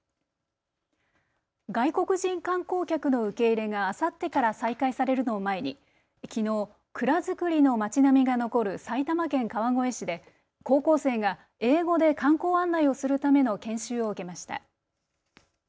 外国人観光客の受け入れがあさってから再開されるのを前に蔵造りの町並みが残る埼玉県川越市で高校生が英語で観光案内をするための研修を受けました。